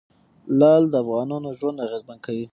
لعل د افغانانو ژوند اغېزمن کوي.